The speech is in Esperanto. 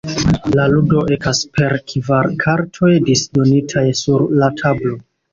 La ludo ekas per kvar kartoj disdonitaj sur la tablo.